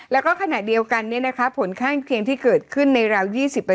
แล้วก็ขณะเดียวกันผลข้างเคียงที่เกิดขึ้นในราว๒๐